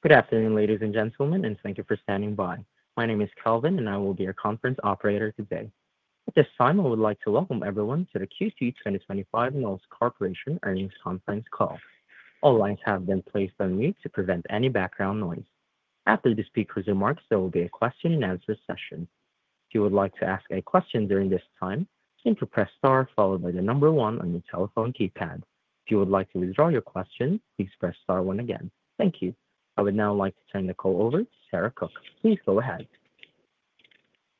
Good afternoon, ladies and gentlemen, and thank you for standing by. My name is Kelvin, and I will be your conference operator today. At this time, I would like to welcome everyone to the Q2 2025 Knowles Corporation earnings conference call. All lines have been placed on mute to prevent any background noise. After the speakers' remarks, there will be a question and answer session. If you would like to ask a question during this time, simply press star followed by the number one on your telephone keypad. If you would like to withdraw your question, please press star one again. Thank you. I would now like to turn the call over to Sarah Cook. Please go ahead.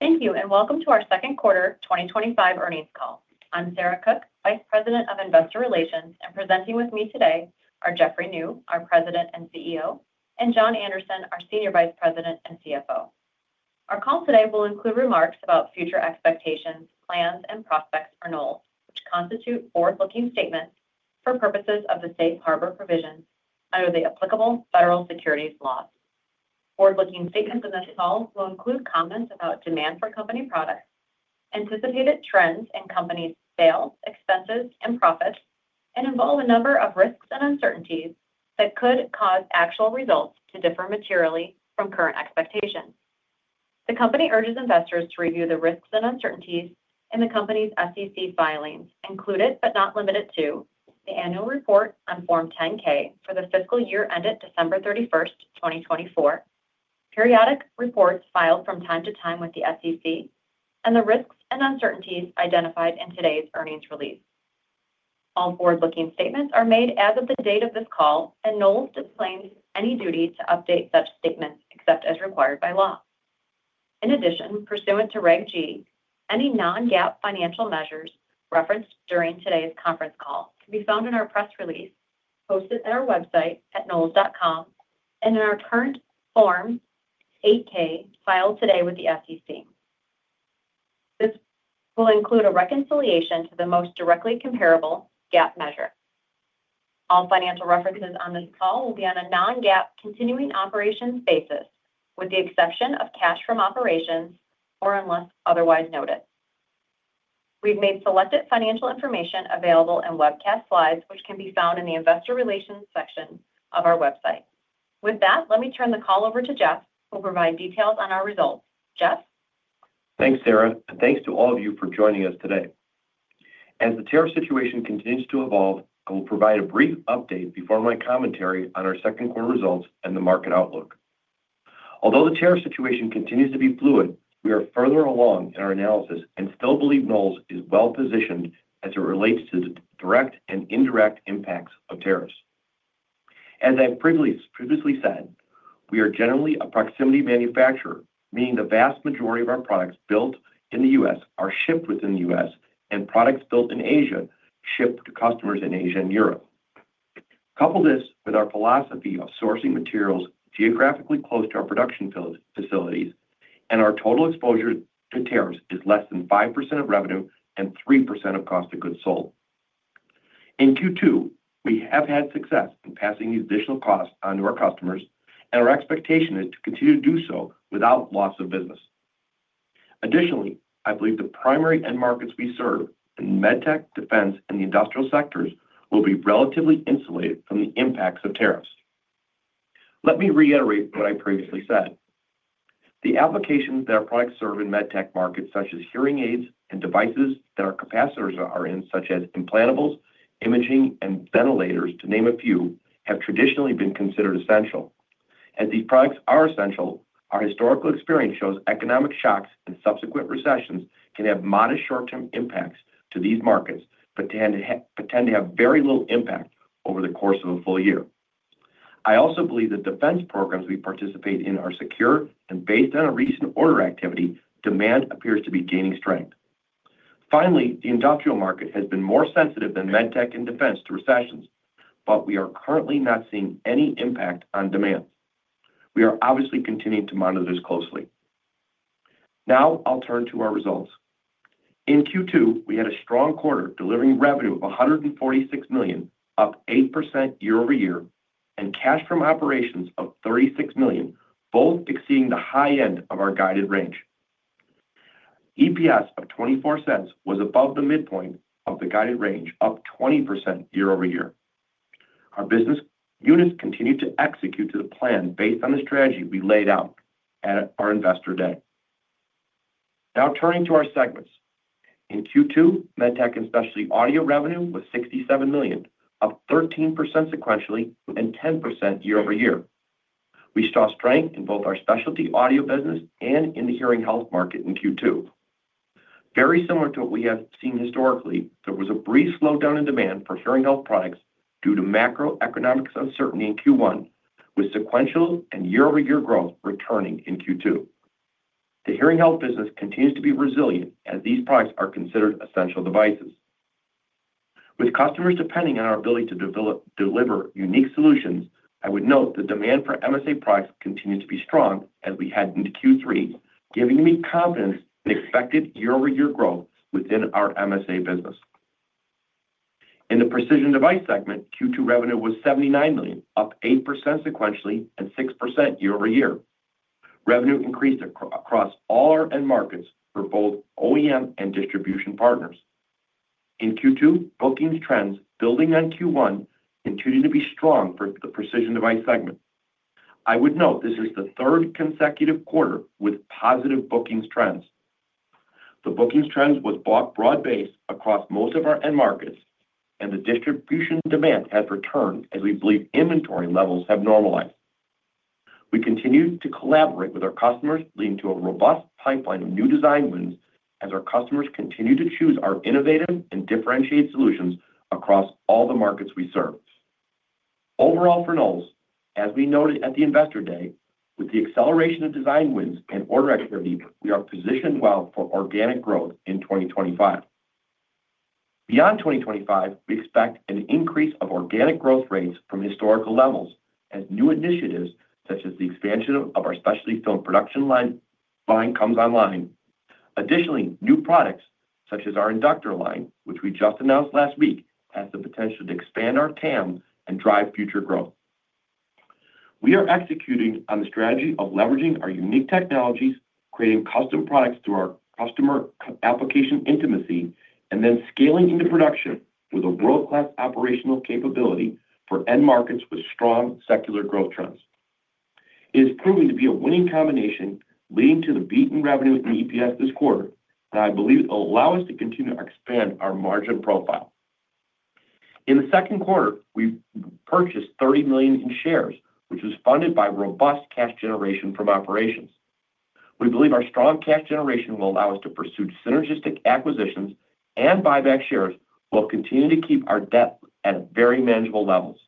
Thank you, and welcome to our second quarter 2025 earnings call. I'm Sarah Cook, Vice President of Investor Relations, and presenting with me today are Jeffrey Niew, our President and CEO, and John Anderson, our Senior Vice President and CFO. Our call today will include remarks about future expectations, plans, and prospects for Knowles, which constitute forward-looking statements for purposes of the safe harbor provision under the applicable federal securities law. Forward-looking statements in this call will include comments about demand for company products, anticipated trends in company sales, expenses, and profits, and involve a number of risks and uncertainties that could cause actual results to differ materially from current expectations. The company urges investors to review the risks and uncertainties in the company's SEC filings, including but not limited to the annual report on Form 10-K for the fiscal year ended December 31, 2024, periodic reports filed from time to time with the SEC, and the risks and uncertainties identified in today's earnings release. All forward-looking statements are made as of the date of this call, and Knowles disclaims any duty to update such statements except as required by law. In addition, pursuant to Reg G, any non-GAAP financial measures referenced during today's conference call can be found in our press release, posted at our website at knowles.com, and in our current Form 8-K filed today with the SEC. This will include a reconciliation to the most directly comparable GAAP measure. All financial references on this call will be on a non-GAAP continuing operations basis, with the exception of cash from operations or unless otherwise noted. We've made selected financial information available in webcast slides, which can be found in the Investor Relations section of our website. With that, let me turn the call over to Jeff, who will provide details on our results. Jeff? Thanks, Sarah, and thanks to all of you for joining us today. As the tariff situation continues to evolve, I will provide a brief update before my commentary on our second quarter results and the market outlook. Although the tariff situation continues to be fluid, we are further along in our analysis and still believe Knowles is well positioned as it relates to the direct and indirect impacts of tariffs. As I previously said, we are generally a proximity manufacturer, meaning the vast majority of our products built in the U.S. are shipped within the U.S., and products built in Asia ship to customers in Asia and Europe. Couple this with our philosophy of sourcing materials geographically close to our production facilities, and our total exposure to tariffs is less than 5% of revenue and 3% of cost of goods sold. In Q2, we have had success in passing these additional costs onto our customers, and our expectation is to continue to do so without loss of business. Additionally, I believe the primary end markets we serve in the MedTech, defense, and the industrial sectors will be relatively insulated from the impacts of tariffs. Let me reiterate what I previously said. The applications that our products serve in MedTech markets, such as hearing aids and devices that our ceramic capacitors are in, such as implantables, imaging, and ventilators, to name a few, have traditionally been considered essential. As these products are essential, our historical experience shows economic shocks and subsequent recessions can have modest short-term impacts to these markets, but tend to have very little impact over the course of a full year. I also believe that defense programs we participate in are secure, and based on recent order activity, demand appears to be gaining strength. Finally, the industrial market has been more sensitive than MedTech and defense to recessions, but we are currently not seeing any impact on demand. We are obviously continuing to monitor this closely. Now, I'll turn to our results. In Q2, we had a strong quarter delivering revenue of $146 million, up 8% year-over-year, and cash from operations of $36 million, both exceeding the high end of our guided range. EPS of $0.24 was above the midpoint of the guided range, up 20% year-over-year. Our business units continued to execute to the plan based on the strategy we laid out at our Investor Day. Now turning to our segments. In Q2, MedTech & Specialty Audio revenue was $67 million, up 13% sequentially and 10% year-over-year. We saw strength in both our Specialty Audio business and in the hearing health market in Q2. Very similar to what we have seen historically, there was a brief slowdown in demand for hearing health products due to macroeconomic uncertainty in Q1, with sequential and year-over-year growth returning in Q2. The hearing health business continues to be resilient as these products are considered essential devices. With customers depending on our ability to deliver unique solutions, I would note the demand for MSA products continues to be strong as we head into Q3, giving me confidence in expected year-over-year growth within our MSA business. In the precision device segment, Q2 revenue was $79 million, up 8% sequentially and 6% year-over-year. Revenue increased across all our end markets through both OEM and distribution partners. In Q2, bookings trends building on Q1 continued to be strong for the precision device segment. I would note this is the third consecutive quarter with positive bookings trends. The bookings trends were broad-based across most of our end markets, and the distribution demand has returned as we believe inventory levels have normalized. We continue to collaborate with our customers, leading to a robust pipeline of new design wins as our customers continue to choose our innovative and differentiated solutions across all the markets we serve. Overall, for Knowles, as we noted at the Investor Day, with the acceleration of design wins and order activity, we are positioned well for organic growth in 2025. Beyond 2025, we expect an increase of organic growth rates from historical levels as new initiatives such as the expansion of our specialty film production line comes online. Additionally, new products such as our inductor product line, which we just announced last week, have the potential to expand our TAM and drive future growth. We are executing on the strategy of leveraging our unique technologies, creating custom products through our customer application intimacy, and then scaling into production with a world-class operational capability for end markets with strong secular growth trends. It is proving to be a winning combination, leading to the beat in revenue and EPS this quarter, and I believe it will allow us to continue to expand our margin profile. In the second quarter, we purchased $30 million in shares, which was funded by robust cash generation from operations. We believe our strong cash generation will allow us to pursue synergistic acquisitions and buy back shares while continuing to keep our debt at very manageable levels.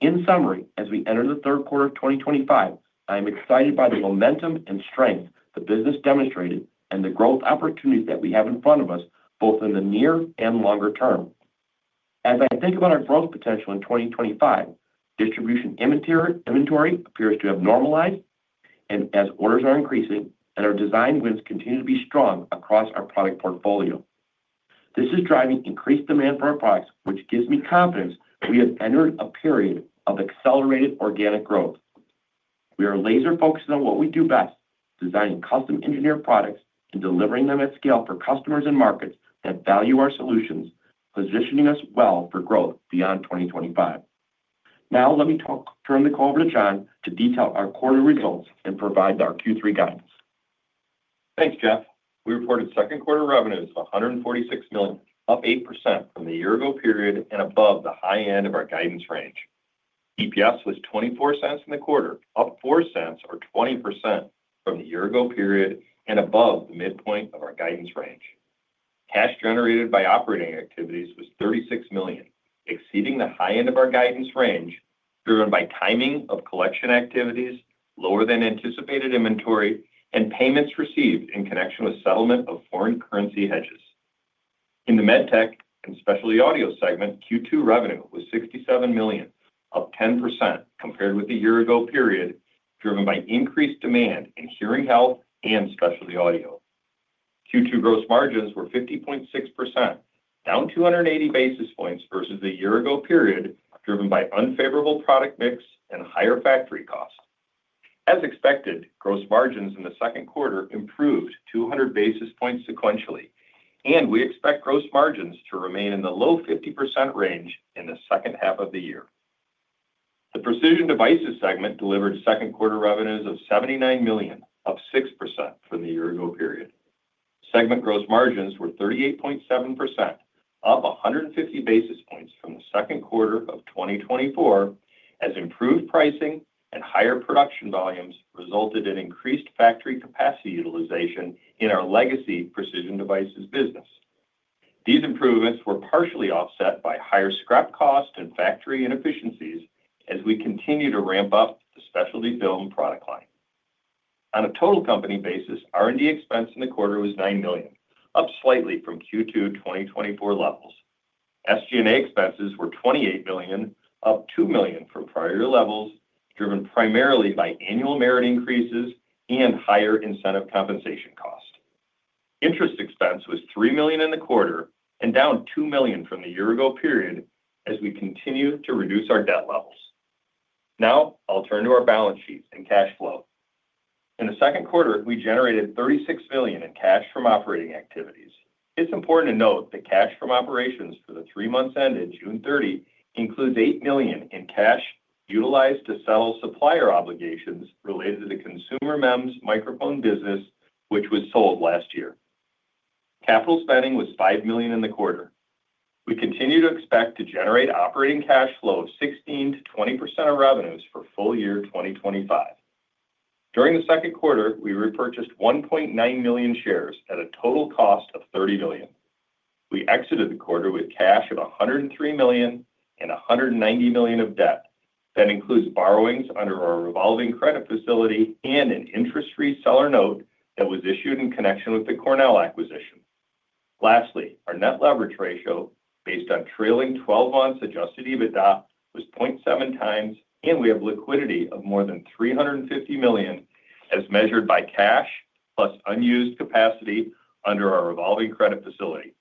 In summary, as we enter the third quarter of 2025, I am excited by the momentum and strength the business demonstrated and the growth opportunities that we have in front of us, both in the near and longer term. As I think about our growth potential in 2025, distribution inventory appears to have normalized, and as orders are increasing and our design wins continue to be strong across our product portfolio. This is driving increased demand for our products, which gives me confidence that we have entered a period of accelerated organic growth. We are laser-focused on what we do best, designing custom-engineered products and delivering them at scale for customers and markets that value our solutions, positioning us well for growth beyond 2025. Now, let me turn the call over to John to detail our quarterly results and provide our Q3 guidance. Thanks, Jeff. We reported second quarter revenues of $146 million, up 8% from the year-ago period and above the high end of our guidance range. EPS was $0.24 in the quarter, up $0.04 or 20% from the year-ago period and above the midpoint of our guidance range. Cash generated by operating activities was $36 million, exceeding the high end of our guidance range, driven by timing of collection activities, lower than anticipated inventory, and payments received in connection with settlement of foreign currency hedges. In the MedTech & Specialty Audio segment, Q2 revenue was $67 million, up 10% compared with the year-ago period, driven by increased demand in hearing health and specialty audio. Q2 gross margins were 50.6%, down 280 basis points versus the year-ago period, driven by unfavorable product mix and higher factory costs. As expected, gross margins in the second quarter improved 200 basis points sequentially, and we expect gross margins to remain in the low 50% range in the second half of the year. The precision devices segment delivered second quarter revenues of $79 million, up 6% from the year-ago period. Segment gross margins were 38.7%, up 150 basis points from the second quarter of 2024, as improved pricing and higher production volumes resulted in increased factory capacity utilization in our legacy precision devices business. These improvements were partially offset by higher scrap cost and factory inefficiencies as we continue to ramp up the specialty film production line. On a total company basis, R&D expense in the quarter was $9 million, up slightly from Q2 2024 levels. SG&A expenses were $28 million, up $2 million from prior year levels, driven primarily by annual merit increases and higher incentive compensation cost. Interest expense was $3 million in the quarter and down $2 million from the year-ago period as we continue to reduce our debt levels. Now, I'll turn to our balance sheets and cash flow. In the second quarter, we generated $36 million in cash from operating activities. It's important to note that cash from operations for the three months ended June 30 includes $8 million in cash utilized to settle supplier obligations related to the consumer MEMS microphone business, which was sold last year. Capital spending was $5 million in the quarter. We continue to expect to generate operating cash flow of 16%-20% of revenues for full year 2025. During the second quarter, we repurchased 1.9 million shares at a total cost of $30 million. We exited the quarter with cash of $103 million and $190 million of debt. That includes borrowings under our revolving credit facility and an interest-free seller note that was issued in connection with the Cornell acquisition. Lastly, our net leverage ratio, based on trailing 12 months adjusted EBITDA, was 0.7 times, and we have liquidity of more than $350 million as measured by cash plus unused capacity under our revolving credit facility.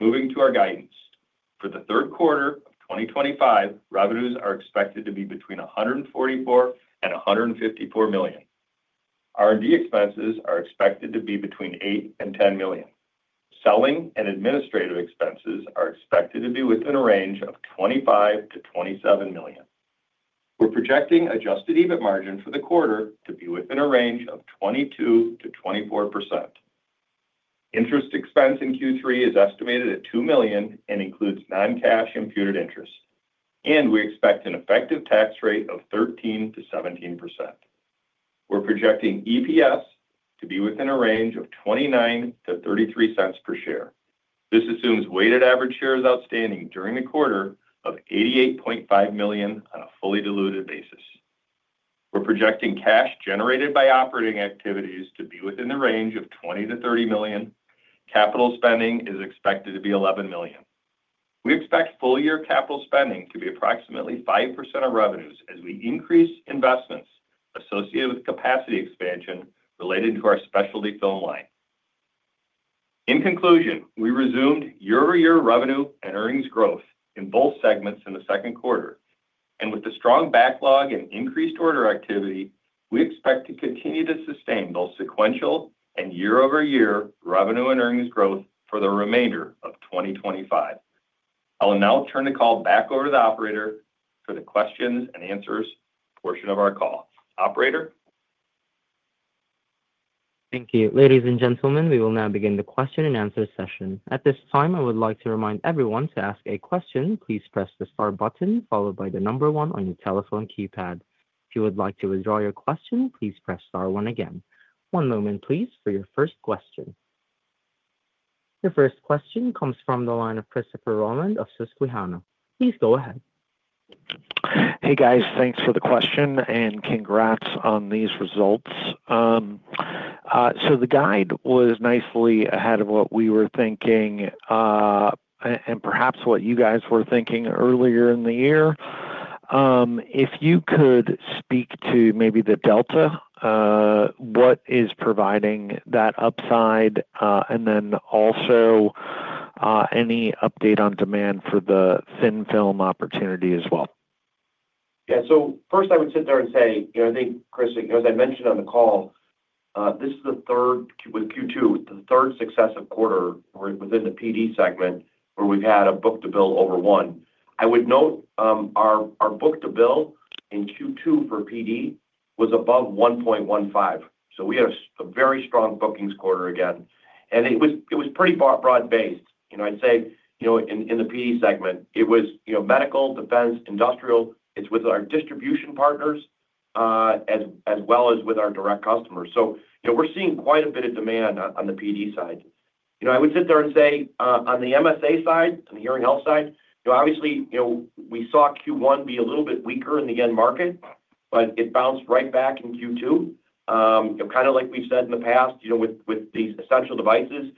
Moving to our guidance. For the third quarter, 2025, revenues are expected to be between $144 million and $154 million. R&D expenses are expected to be between $8 million and $10 million. Selling and administrative expenses are expected to be within a range of $25 million-$27 million. We're projecting adjusted EBIT margins for the quarter to be within a range of 22%-24%. Interest expense in Q3 is estimated at $2 million and includes non-cash imputed interest, and we expect an effective tax rate of 13%-17%. We're projecting EPS to be within a range of $0.29-$0.33 per share. This assumes weighted average shares outstanding during the quarter of 88.5 million on a fully diluted basis. We're projecting cash generated by operating activities to be within the range of $20 million-$30 million. Capital spending is expected to be $11 million. We expect full-year capital spending to be approximately 5% of revenues as we increase investments associated with the capacity expansion related to our specialty film line. In conclusion, we resumed year-over-year revenue and earnings growth in both segments in the second quarter, and with the strong backlog and increased order activity, we expect to continue to sustain both sequential and year-over-year revenue and earnings growth for the remainder of 2025. I will now turn the call back over to the operator for the questions and answers portion of our call. Operator? Thank you, ladies and gentlemen. We will now begin the question and answer session. At this time, I would like to remind everyone to ask a question. Please press the star button followed by the number one on your telephone keypad. If you would like to withdraw your question, please press star one again. One moment, please, for your first question. Your first question comes from the line of Christopher Rolland of Susquehanna. Please go ahead. Hey, guys, thanks for the question and congrats on these results. The guide was nicely ahead of what we were thinking and perhaps what you guys were thinking earlier in the year. If you could speak to maybe the delta, what is providing that upside, and also any update on demand for the thin film opportunity as well? Yeah, so first I would sit there and say, you know, I think, Chris, as I mentioned on the call, this is the third, with Q2, the third successive quarter within the PD segment where we've had a book-to-bill over one. I would note our book-to-bill in Q2 for PD was above $1.15, so we have a very strong bookings quarter again. It was pretty broad based. In the PD segment, it was medical, defense, industrial. It's with our distribution partners as well as with our direct customers. We're seeing quite a bit of demand on the PD side. I would sit there and say, on the MSA side, on the hearing health side, obviously, we saw Q1 be a little bit weaker in the end market, but it bounced right back in Q2. Kind of like we've said in the past, with these essential devices,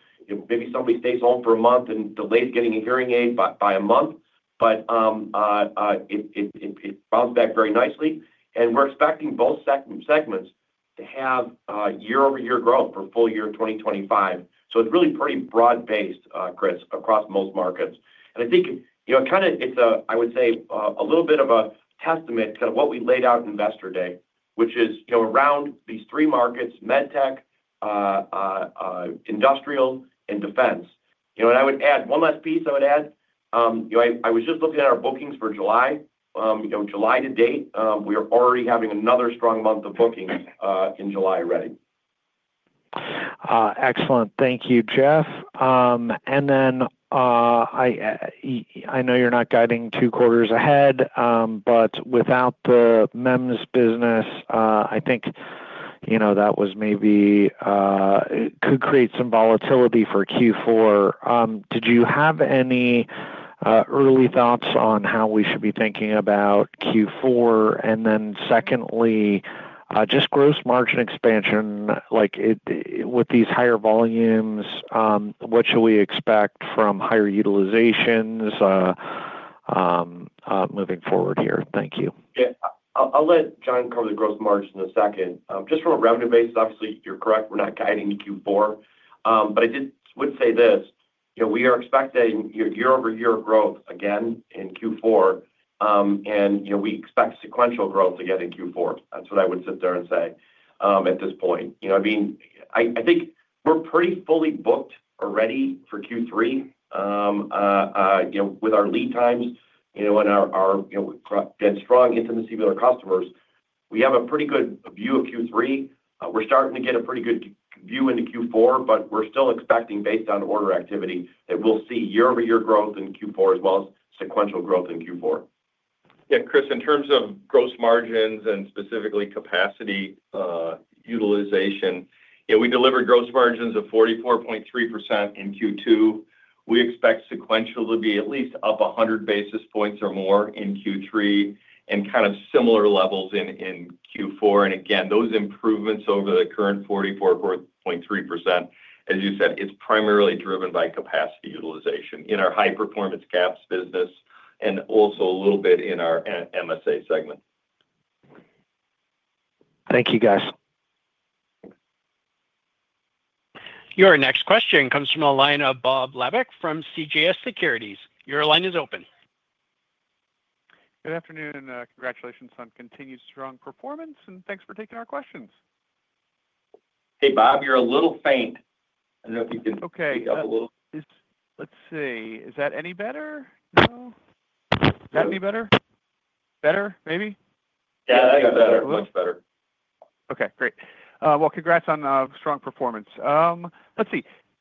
maybe somebody stays home for a month and delays getting a hearing aid by a month, but it bounced back very nicely. We're expecting both segments to have year-over-year growth for full year 2025. It's really pretty broad based, Chris, across most markets. I think it's a little bit of a testament to what we laid out in Investor Day, which is around these three markets: MedTech, industrial, and defense. I would add one last piece. I was just looking at our bookings for July. July to date, we are already having another strong month of bookings in July already. Excellent. Thank you, Jeff. I know you're not guiding two quarters ahead, but without the MEMS business, I think that was maybe could create some volatility for Q4. Do you have any early thoughts on how we should be thinking about Q4? Secondly, just gross margin expansion, like with these higher volumes, what should we expect from higher utilizations moving forward here? Thank you. Yeah, I'll let John cover the gross margins in a second. Just from a revenue basis, obviously, you're correct, we're not guiding Q4. I would say this: we are expecting year-over-year growth again in Q4, and we expect sequential growth again in Q4. That's what I would sit there and say at this point. I think we're pretty fully booked already for Q3. With our lead times and our strong intimacy with our customers, we have a pretty good view of Q3. We're starting to get a pretty good view into Q4, but we're still expecting, based on order activity, that we'll see year-over-year growth in Q4 as well as sequential growth in Q4. Yeah, Chris, in terms of gross margins and specifically capacity utilization, we delivered gross margins of 44.3% in Q2. We expect sequential to be at least up 100 basis points or more in Q3, and kind of similar levels in Q4. Those improvements over the current 44.3%, as you said, are primarily driven by capacity utilization in our high-performance caps business and also a little bit in our MSA segment. Thank you, guys. Your next question comes from a line of Bob Labick from CJS Securities. Your line is open. Good afternoon. Congratulations on continued strong performance, and thanks for taking our questions. Hey, Bob, you're a little faint. I don't know if you can pick up a little. Okay, is that any better? Is that any better? Better, maybe? Yeah, that got better. Much better. Okay, great. Congrats on strong performance.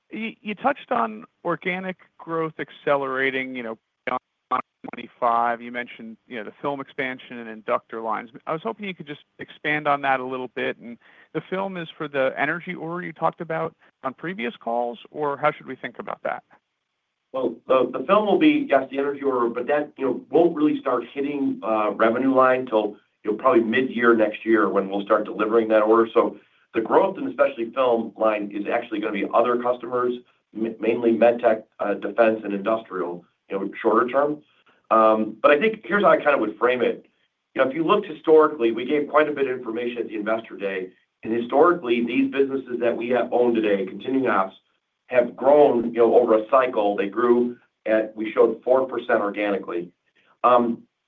You touched on organic growth accelerating beyond 2025. You mentioned the film expansion and inductor lines. I was hoping you could just expand on that a little bit. The film is for the energy order you talked about on previous calls, or how should we think about that? The film will be just the energy order, but that won't really start hitting the revenue line till probably mid-year next year when we'll start delivering that order. The growth in the specialty film line is actually going to be other customers, mainly MedTech, defense, and industrial, shorter term. I think here's how I kind of would frame it. If you looked historically, we gave quite a bit of information at the Investor Day, and historically, these businesses that we own today, Continuing Ops, have grown over a cycle. They grew, and we showed 4% organically.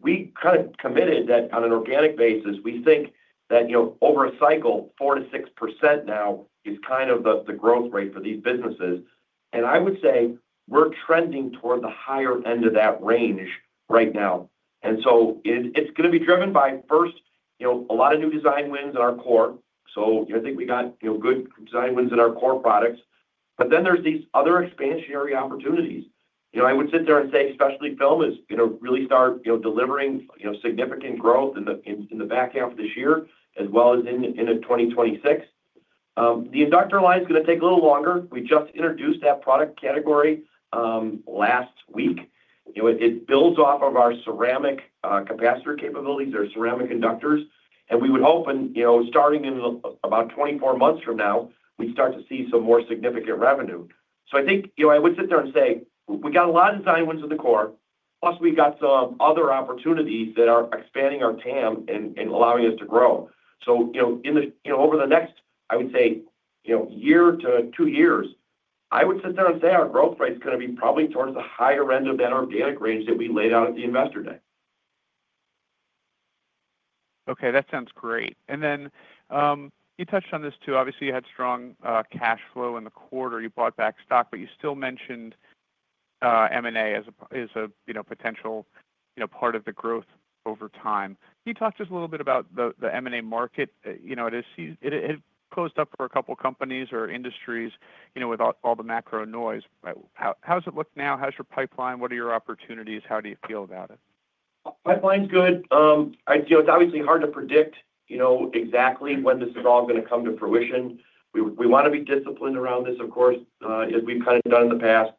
We kind of committed that on an organic basis, we think that over a cycle, 4%-6% now is kind of the growth rate for these businesses. I would say we're trending toward the higher end of that range right now. It's going to be driven by, first, a lot of new design wins in our core. I think we got good design wins in our core products. Then there's these other expansionary opportunities. I would sit there and say specialty film is going to really start delivering significant growth in the back half of this year as well as in 2026. The inductor product line is going to take a little longer. We just introduced that product category last week. It builds off of our ceramic capacitor capabilities or ceramic inductors. We would hope, starting in about 24 months from now, we'd start to see some more significant revenue. I think I would sit there and say we got a lot of design wins in the core. Plus, we've got some other opportunities that are expanding our TAM and allowing us to grow. In the next year to two years, I would sit there and say our growth rate is going to be probably towards the higher end of that organic range that we laid out at the Investor Day. Okay, that sounds great. You touched on this too. Obviously, you had strong cash flow in the quarter. You bought back stock, but you still mentioned M&A as a potential part of the growth over time. Can you talk just a little bit about the M&A market? It had closed up for a couple of companies or industries with all the macro noise. How does it look now? How's your pipeline? What are your opportunities? How do you feel about it? Pipeline's good. It's obviously hard to predict exactly when this is all going to come to fruition. We want to be disciplined around this, of course, as we've kind of done in the past.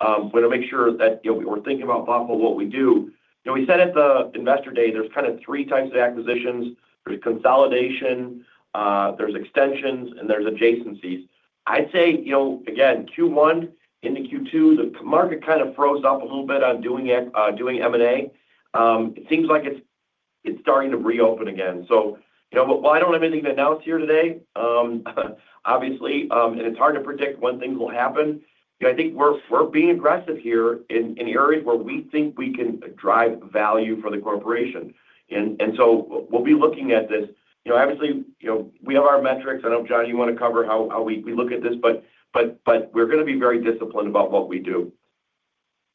We're going to make sure that we're thinking about thoughtful what we do. We said at the Investor Day, there's kind of three types of acquisitions. There's consolidation, there's extensions, and there's adjacencies. I'd say Q1 into Q2, the market kind of froze up a little bit on doing M&A. It seems like it's starting to reopen again. I don't have anything to announce here today. Obviously, it's hard to predict when things will happen. I think we're being aggressive here in areas where we think we can drive value for the corporation. We'll be looking at this. Obviously, we have our metrics. I know, John, you want to cover how we look at this, but we're going to be very disciplined about what we do.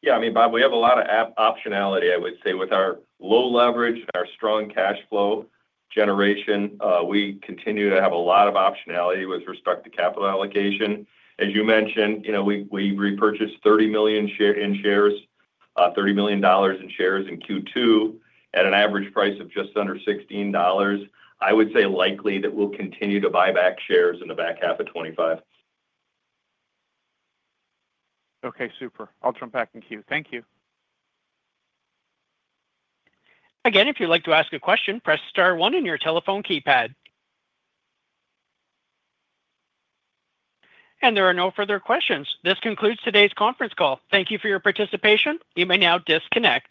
Yeah, I mean, Bob, we have a lot of optionality, I would say, with our low leverage, our strong cash flow generation. We continue to have a lot of optionality with respect to capital allocation. As you mentioned, you know, we repurchased $30 million in shares in Q2 at an average price of just under $16. I would say likely that we'll continue to buy back shares in the back half of 2025. Okay, super. I'll jump back in queue. Thank you. If you'd like to ask a question, press star one on your telephone keypad. There are no further questions. This concludes today's conference call. Thank you for your participation. You may now disconnect.